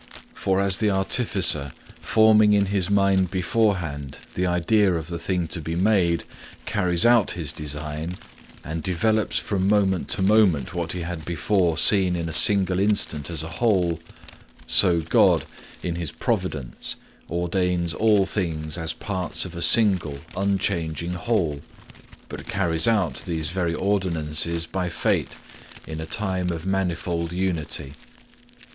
For as the artificer, forming in his mind beforehand the idea of the thing to be made, carries out his design, and develops from moment to moment what he had before seen in a single instant as a whole, so God in His providence ordains all things as parts of a single unchanging whole, but carries out these very ordinances by fate in a time of manifold unity.